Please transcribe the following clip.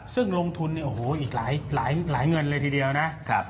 ซึ่งลงทุนเนี่ยโอ้โหอีกหลายเงินเลยทีเดียวนะ